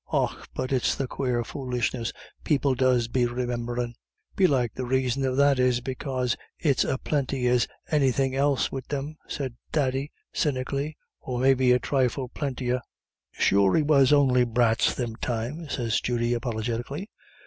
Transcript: Och, but it's the quare foolishness people does be remimberin'!" "Belike the raison of that is because it's as plinty as anythin' else wid thim," said Thady, cynically, "or maybe a trifle plintier." "Sure we was on'y brats thim times," said Judy, apologetically.